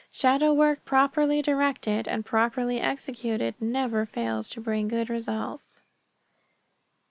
Shadow work properly directed and properly executed never fails to bring good results.